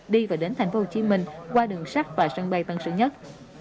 đi và đến tp hcm qua đường sách và sân bay tân sự nhất